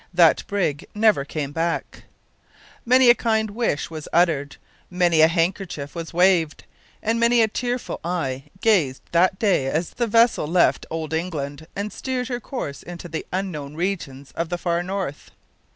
That brig never came back. Many a hearty cheer was given, many a kind wish was uttered, many a handkerchief was waved, and many a tearful eye gazed that day as the vessel left Old England, and steered her course into the unknown regions of the far north.